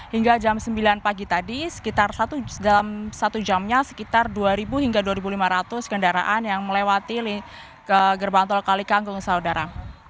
hingga jam sembilan pagi tadi sekitar dalam satu jamnya sekitar dua hingga dua lima ratus kendaraan yang melewati gerbang tol kalikangkung saudara